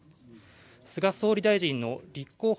菅総理大臣の立候補